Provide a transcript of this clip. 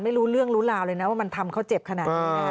ไม่รู้เรื่องรู้ราวเลยนะว่ามันทำเขาเจ็บขนาดนี้นะ